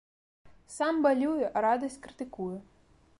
Сам балюе, а радасць крытыкуе.